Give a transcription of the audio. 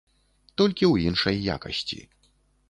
Толькі ў іншай якасці.